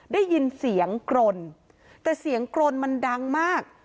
ได้ยินเสียงกรนแต่เสียงกรนมันดังมาก